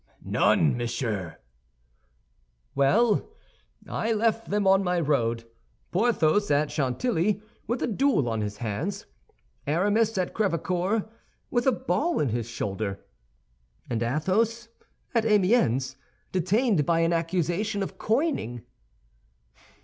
"None, monsieur." "Well, I left them on my road—Porthos at Chantilly, with a duel on his hands; Aramis at Crèvecœur, with a ball in his shoulder; and Athos at Amiens, detained by an accusation of coining."